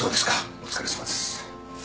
お疲れさまです。